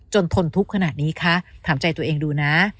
ทนทุกข์ขนาดนี้คะถามใจตัวเองดูนะ